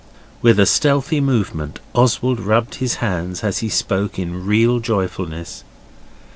With a stealthy movement Oswald rubbed his hands as he spoke in real joyfulness.